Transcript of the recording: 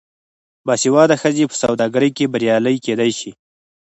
باسواده ښځې په سوداګرۍ کې بریالۍ کیدی شي.